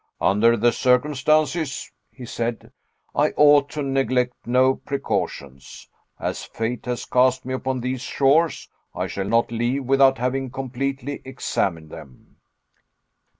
"Under the circumstances," he said, "I ought to neglect no precautions. As fate has cast me upon these shores, I shall not leave without having completely examined them."